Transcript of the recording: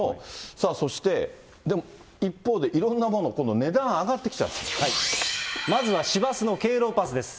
さあそして、でも一方で、いろんなもの、今度、値段上がってきちまずは市バスの敬老パスです。